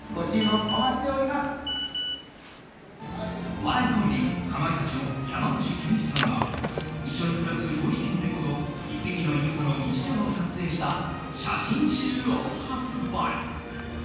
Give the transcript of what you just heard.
お笑いコンビ、かまいたちの山内健司さんが一緒に暮らす５匹の猫と１匹の犬との日常を撮影した写真集を発売。